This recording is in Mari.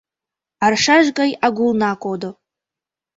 Аршаш гай агулна кодо